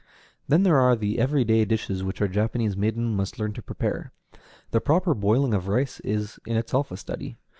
Then there are the every day dishes which our Japanese maiden must learn to prepare. The proper boiling of rice is in itself a study.